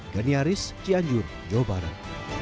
gani aris cianjur jawa barat